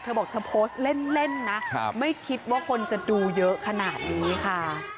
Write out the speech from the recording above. เธอบอกเธอโพสต์เล่นนะไม่คิดว่าคนจะดูเยอะขนาดนี้ค่ะ